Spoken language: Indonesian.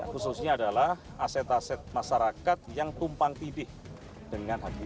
khususnya adalah aset aset masyarakat yang tumpang tidih dengan hgu